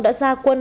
đã ra quân